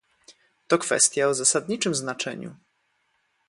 To kwestia o zasadniczym znaczeniu